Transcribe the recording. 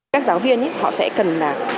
các giáo viên họ sẽ cần